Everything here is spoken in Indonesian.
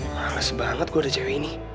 males banget gue ada cewek ini